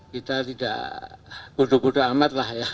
kita tidak buduh buduh amat